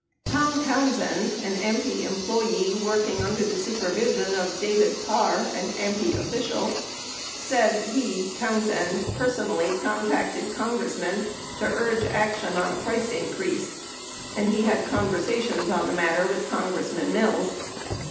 Tom Townsend, an AMPI employee working under the supervision of David Parr, an AMPI official, said he (Townsend) personally con tacted Congressmen to urge action on a price increase, and he had 10 Mehren, 16 Hearings 7317. 907 conversations on the matter with Congressman Mills.